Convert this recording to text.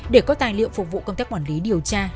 để có tài liệu phục vụ công tác quản lý điều tra